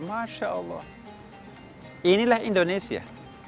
masya allah inilah indonesia